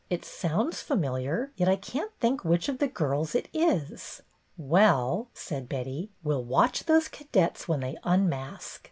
It sounds familiar, yet I can't think which of the girls it is." " Well," said Betty, " We 'll watch those cadets when they unmask.